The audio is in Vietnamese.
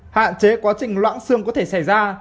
hạn chế quá trình loãng xương có thể xảy ra